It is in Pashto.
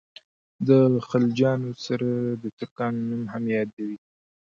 د خلجیانو سره د ترکانو نوم هم یادوي.